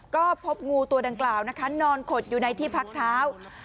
ก็พบงูตัวดังกล่าวนะคะนอนขดอยู่ในที่พักเท้า